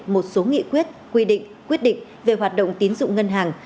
một số nghị quyết quy định quyết định về hoạt động tín dụng ngân hàng